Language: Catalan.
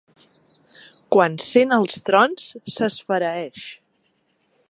Quan sent els trons s'esfereeix.